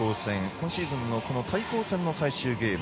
今シーズンの対抗戦の最終ゲーム。